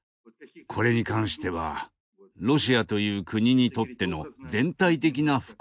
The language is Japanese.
これに関してはロシアという国にとっての全体的な不幸の感覚